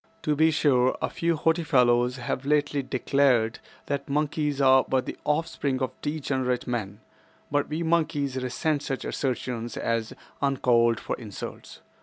To be sure, a few haughty fellows have lately declared that monkeys are but the offspring of degenerate men, but we monkeys resent such assertions as uncalled for insults.